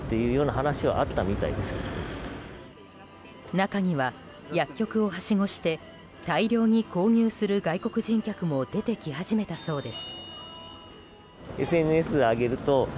中には、薬局をはしごして大量に購入する外国人客も出てき始めたそうです。